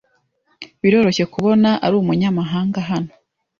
Biroroshye kubona ari umunyamahanga hano.